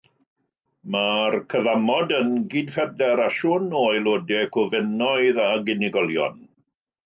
Mae'r Cyfamod yn gydffederasiwn o aelodau cwfennoedd ac unigolion.